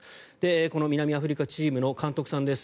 この南アフリカチームの監督さんです。